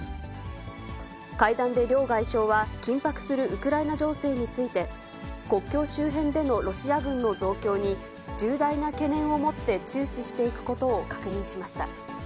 会談で両外相は、緊迫するウクライナ情勢について、国境周辺でのロシア軍の増強に、重大な懸念を持って注視していくことを確認しました。